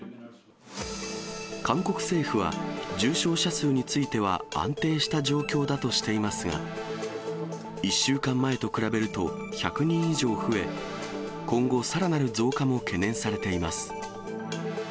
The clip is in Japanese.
韓国政府は重症者数については安定した状況だとしていますが、１週間前と比べると１００人以上増え、今後さらなる増加も懸念されています。